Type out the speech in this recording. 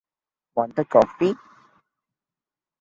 Want a coffee?